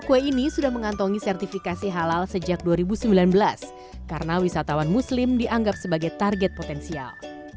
kue ini sudah mengantongi sertifikasi halal sejak dua ribu sembilan belas karena wisatawan muslim dianggap sebagai target potensial